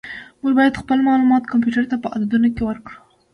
موږ باید خپل معلومات کمپیوټر ته په عددونو کې ورکړو.